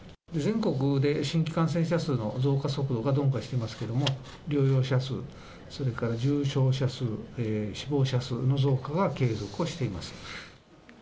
全国で新規感染者数の増加速度が鈍化してますけれども、療養者数、それから重症者数、死亡者数の増加が継続をしています。